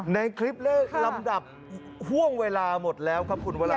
ในคลิปและลำดับห่วงเวลาหมดแล้วครับคุณวรา